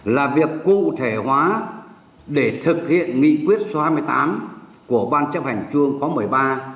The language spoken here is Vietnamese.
là việc cụ thể hóa để thực hiện nghị quyết số hai mươi tám của ban chấp hành chuông khóa một mươi ba